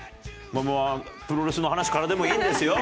プロレスの話からでもいいんですよ。